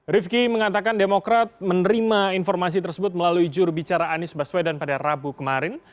rifki mengatakan demokrat menerima informasi tersebut melalui jurubicara anies baswedan pada rabu kemarin